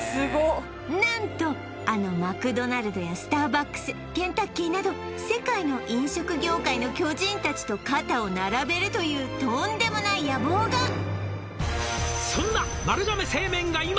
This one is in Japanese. っ何とあのマクドナルドやスターバックスケンタッキーなど世界の飲食業界の巨人達と肩を並べるというとんでもない野望が「そんな丸亀製麺が今」